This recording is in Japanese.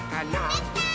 できたー！